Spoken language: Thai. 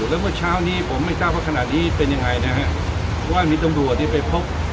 แล้วเมื่อเช้านี้ผมไม่ทราบว่าขนาดนี้เป็นอย่างไรว่ามีตังฑัวที่ไปพบ